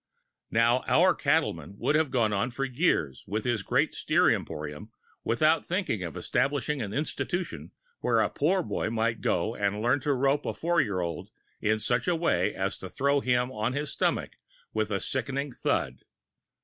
Now, our cattleman would have gone on for years with his great steer emporium without thinking of establishing an institution where a poor boy might go and learn to rope a 4 year old in such a way as to throw him on his stomach with a sickening thud.